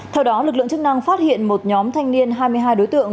theo đó lực lượng chức năng phát hiện một nhóm thanh niên hai mươi hai đối tượng